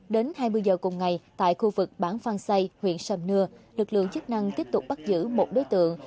đến hai mươi giờ cùng ngày tại khu vực bản phang xây huyện sầm nưa lực lượng chức năng tiếp tục bắt giữ một đối tượng